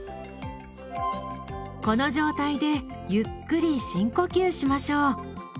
この状態でゆっくり深呼吸しましょう。